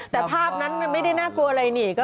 แต่ภาพนั้นมันไม่ได้น่ากลัวอะไรนี่